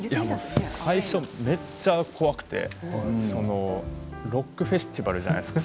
最初はめっちゃ怖くてロックフェスティバルじゃないですか